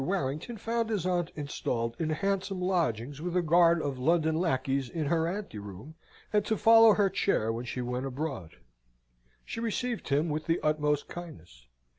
Warrington found his aunt installed in handsome lodgings, with a guard of London lacqueys in her anteroom, and to follow her chair when she went abroad. She received him with the utmost kindness.